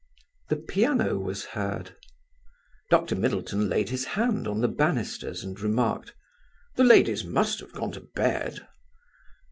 The piano was heard. Dr. Middleton laid his hand on the banisters, and remarked: "The ladies must have gone to bed?"